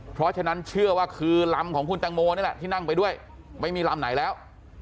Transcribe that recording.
เพราะฉะนั้นเชื่อว่าคือลำของคุณแตงโมนี่แหละที่นั่งไปด้วยไม่มีลำไหนแล้ว